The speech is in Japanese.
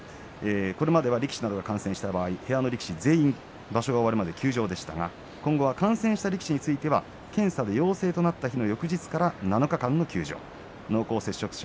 これまでは力士が感染した場合には部屋の力士全員場所が終わるまで休場でしたが、今後は感染した力士に関しては検査で陽性となった日の翌日から７日間の休場です。